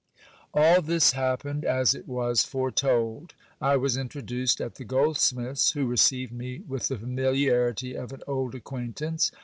All this happened as it was foretold. I was introduced at the goldsmith's, who received me with the familiarity of an old acquaintance.